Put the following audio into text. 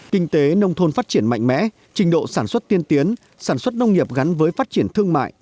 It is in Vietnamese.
kinh tế nông thôn phát triển mạnh mẽ trình độ sản xuất tiên tiến sản xuất nông nghiệp gắn với phát triển thương mại